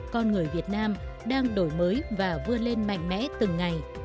con người việt nam đang đổi mới và vươn lên mạnh mẽ từng ngày